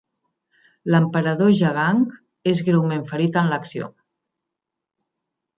L'emperador Jagang és greument ferit en l'acció.